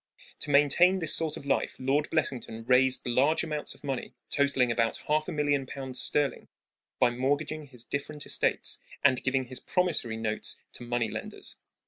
To maintain this sort of life Lord Blessington raised large amounts of money, totaling about half a million pounds sterling, by mortgaging his different estates and giving his promissory notes to money lenders.